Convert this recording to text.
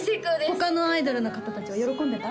他のアイドルの方達は喜んでた？